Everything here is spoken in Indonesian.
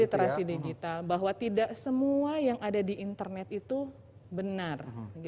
literasi digital bahwa tidak semua yang ada di internet itu benar